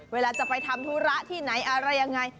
เวลาจะไปทำธุระที่ไหนอะไรยังไง